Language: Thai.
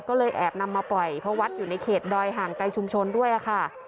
ก็เลยแอบนำมาปล่อยเพราะวัดอยู่ในเขตดอยห่างไกลชุมชนด้วยค่ะ